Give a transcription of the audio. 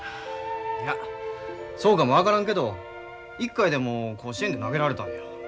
いやそうかも分からんけど一回でも甲子園で投げられたんや。